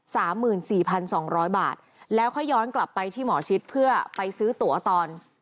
สามหมื่นสี่พันสองร้อยบาทแล้วค่อยย้อนกลับไปที่หมอชิดเพื่อไปซื้อตั๋วตอน